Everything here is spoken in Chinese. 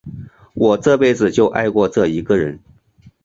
我这辈子就爱过这一个人。